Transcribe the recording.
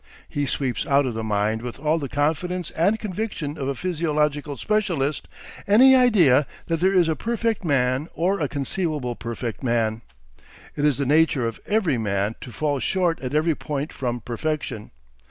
He sweeps out of the mind with all the confidence and conviction of a physiological specialist, any idea that there is a perfect man or a conceivable perfect man. It is in the nature of every man to fall short at every point from perfection.